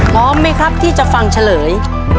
พร้อมไหมครับที่จะฟังเฉลย